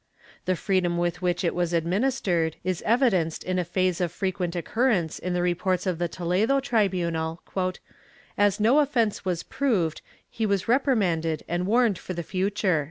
The freedom with which it was administered is evidenced in a phrase of frequent occurrence in the reports of the Toledo tribunal — "as no offence was proved, he was reprimanded and warned for the future."